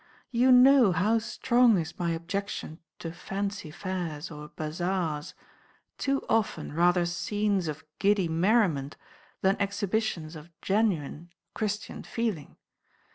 You know how strong is my objection to fancy fairs or bazaars, too often rather scenes of giddy merriment than exhibitions of genuine Christian feeling.